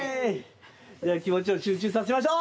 では気持ちを集中させましょう！